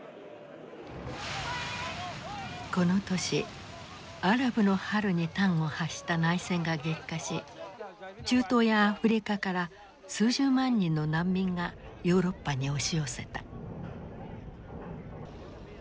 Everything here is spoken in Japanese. この年アラブの春に端を発した内戦が激化し中東やアフリカから数十万人の難民がヨーロッパに押し寄せた。